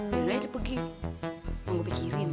bila ini pergi mau gue pikirin